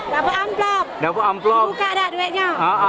dapet amplop buka dah duitnya